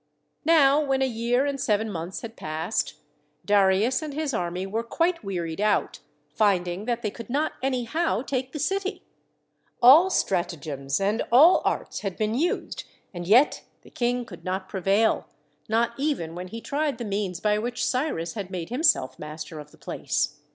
Now when a year and seven months had passed, Darius and his army were quite wearied out, finding that they could not anyhow take the city. All strat THE WALLS OF BABYLON 59 agems and all arts had been used, and yet the King could not prevail not even when he tried the means by which Cyrus had made himself master of the place.